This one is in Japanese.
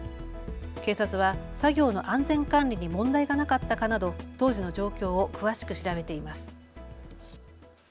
警察は作業の安全管理に問題がなかったかなど当時の状況を詳しく調べています。